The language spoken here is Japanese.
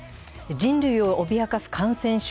人類を脅かす感染症。